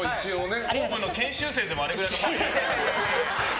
ＯＷＶの研修生でもあれぐらいの数。